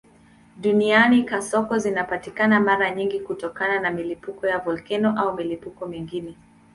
Duniani kasoko zinapatikana mara nyingi kutokana na milipuko ya volkeno au milipuko mingine.